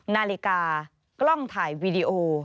นาฬิกากล้องถ่ายวีดีโอ